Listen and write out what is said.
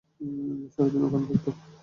সারাদিন ওখানে থাকত।